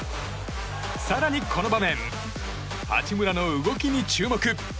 更に、この場面八村の動きに注目。